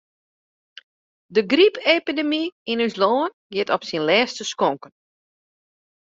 De grypepidemy yn ús lân giet op syn lêste skonken.